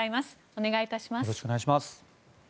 お願いいたします。